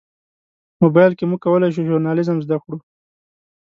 موبایل کې موږ کولی شو ژورنالیزم زده کړو.